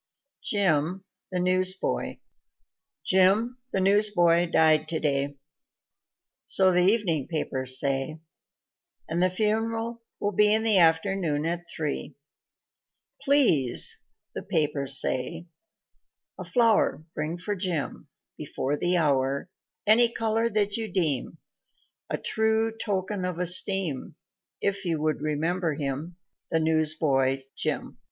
Jim, the Newsboy Jim, the newsboy, died today, So the evening papers say And the funeral will be In the afternoon at three "Please" (the papers say) "a flow'r Bring for Jim before the hour Any color that you deem A true token of esteem, If you would remember him The newsboy, Jim.